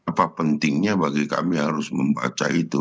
apa pentingnya bagi kami harus membaca itu